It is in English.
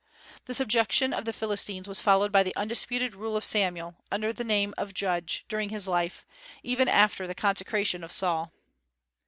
The subjection of the Philistines was followed by the undisputed rule of Samuel, under the name of Judge, during his life, even after the consecration of Saul.